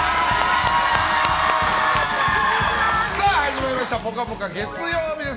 さあ、始まりました「ぽかぽか」月曜日です。